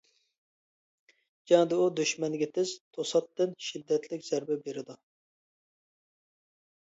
جەڭدە ئۇ دۈشمەنگە تېز، توساتتىن، شىددەتلىك زەربە بېرىدۇ.